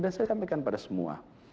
dan saya sampaikan pada semua